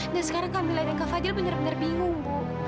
dan sekarang kamila dan kak fadil benar benar bingung bu